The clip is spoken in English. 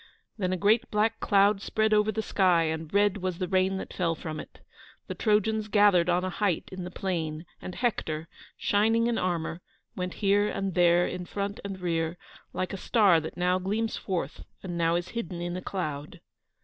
Then a great black cloud spread over the sky, and red was the rain that fell from it. The Trojans gathered on a height in the plain, and Hector, shining in armour, went here and there, in front and rear, like a star that now gleams forth and now is hidden in a cloud.